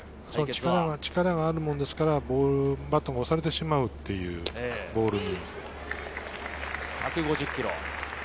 力があるもんですから、バットが押されてしまうっていう、ボールに。